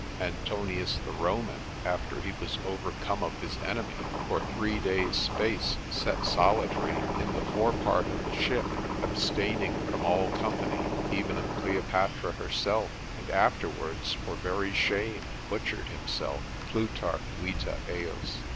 Antonius the Roman, after he was overcome of his enemy, for three days' space sat solitary in the fore part of the ship, abstaining from all company, even of Cleopatra herself, and afterwards for very shame butchered himself, Plutarch, vita ejus.